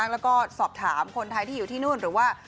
แล้วก็สอบถามคนไทยที่อยู่ที่นู่นหรือว่า